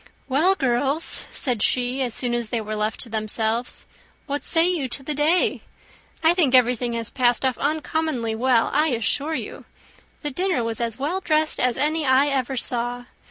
"Well, girls," said she, as soon as they were left to themselves, "what say you to the day? I think everything has passed off uncommonly well, I assure you. The dinner was as well dressed as any I ever saw.